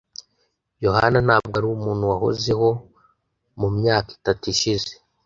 Yohana ntabwo ari umuntu wahozeho mu myaka itatu ishize.